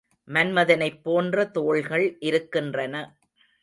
மன்மதனைப் போன்ற தோள்கள் இருக்கின்றன.